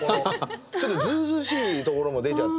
ちょっとずうずうしいところも出ちゃって。